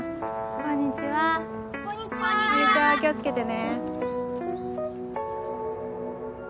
こんにちは気を付けてね。